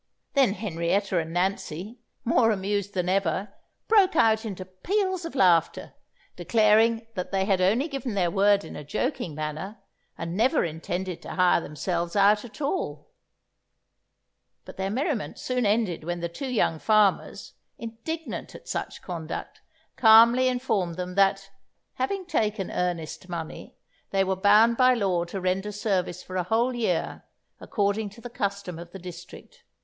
Then Henrietta and Nancy, more amused than ever, broke out into peals of laughter, declaring that they had only given their word in a joking manner, and never intended to hire themselves out at all; but their merriment soon ended when the two young farmers, indignant at such conduct, calmly informed them that, having taken earnest money, they were bound by law to render service for a whole year, according to the custom of the district.